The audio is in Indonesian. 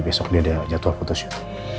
besok dia ada jadwal photoshoot